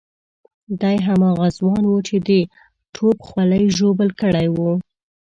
دی هماغه ځوان وو چې د توپ خولۍ ژوبل کړی وو.